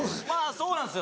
そうなんですよ。